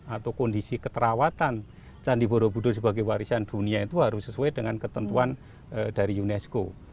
atau kondisi keterawatan candi borobudur sebagai warisan dunia itu harus sesuai dengan ketentuan dari unesco